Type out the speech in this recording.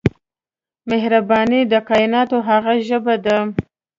مهرباني د کائنات هغه ژبه ده.